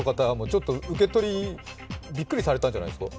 ちょっと受け取り、びっくりされたんじゃないですか？